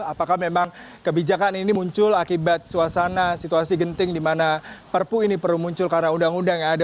apakah memang kebijakan ini muncul akibat suasana situasi genting di mana perpu ini perlu muncul karena undang undang yang ada